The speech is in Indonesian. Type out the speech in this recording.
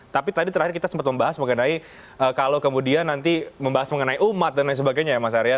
tapi tadi terakhir kita sempat membahas mengenai kalau kemudian nanti membahas mengenai umat dan lain sebagainya ya mas arya